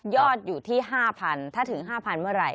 อยู่ที่๕๐๐ถ้าถึง๕๐๐เมื่อไหร